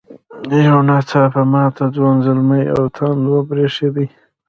یو نا څاپه ماته ځوان زلمي او تاند وبرېښدې.